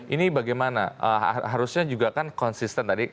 ini bagaimana harusnya juga kan konsisten tadi